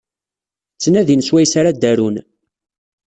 Ttnadin swayes ar ad arun.